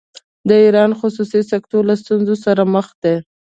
د ایران خصوصي سکتور له ستونزو سره مخ دی.